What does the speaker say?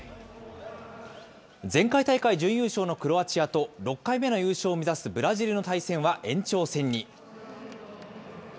前回大会準優勝のクロアチアと、６回目の優勝を目指すブラジルの対戦は延長戦に。